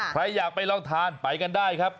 ใครอยากไปลองทานไปกันได้ครับ